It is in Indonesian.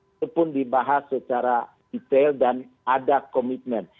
itu pun dibahas secara detail dan ada komitmen